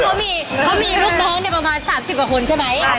เพราะว่าเขามีลูกน้องเนี่ยประมาณ๓๐กว่าคนใช่ไหม